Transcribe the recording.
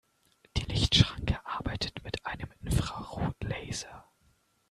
Die Lichtschranke arbeitet mit einem Infrarotlaser.